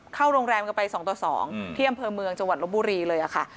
เข้าโรงแรมกันไป๒ต่อ๒ที่อำเภอเมืองจังหวัดลบบุรีเลยค่ะ